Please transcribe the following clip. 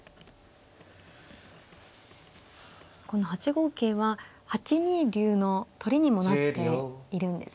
この８五桂は８二竜の取りにもなっているんですね。